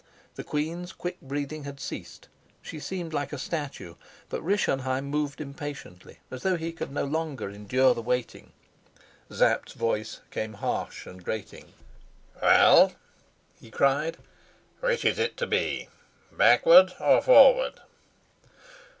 The queen's quick breathing had ceased, she seemed like a statue; but Rischenheim moved impatiently, as though he could no longer endure the waiting. Sapt's voice came harsh and grating. "Well?" he cried. "Which is it to be backward or forward?"